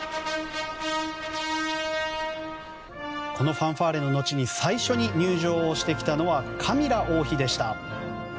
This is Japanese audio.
ファンファーレの後に最初に入場してきたのはカミラ王妃でした。